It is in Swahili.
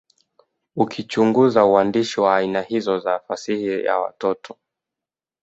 ukichunguza uandishi wa aina hizo za fasihi ya watoto